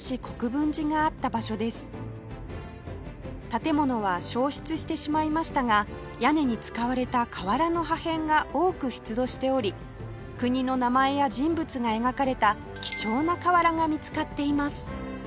建物は焼失してしまいましたが屋根に使われた瓦の破片が多く出土しており国の名前や人物が描かれた貴重な瓦が見つかっています